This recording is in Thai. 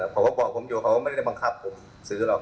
เขาบอกผมอยู่เขาก็ไม่ได้บังคับผมซื้อหรอก